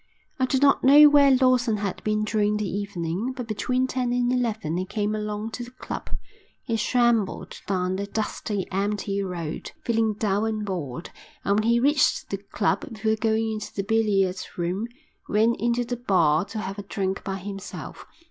I do not know where Lawson had been during the evening, but between ten and eleven he came along to the club. He shambled down the dusty, empty road, feeling dull and bored, and when he reached the club, before going into the billiard room, went into the bar to have a drink by himself.